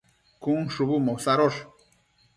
cun shubu mosadosh